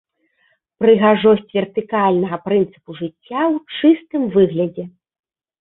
Прыгажосць вертыкальнага прынцыпу жыцця ў чыстым выглядзе!